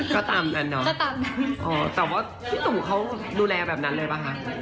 ก็ตามนั้นเนาะแต่ว่าพี่ตู่เขาดูแลแบบนั้นเลยป่ะคะ